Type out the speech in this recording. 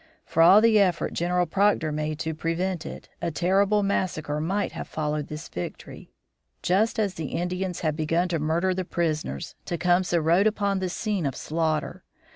For all the effort General Proctor made to prevent it, a terrible massacre might have followed this victory. Just as the Indians had begun to murder the prisoners, Tecumseh rode upon the scene of slaughter.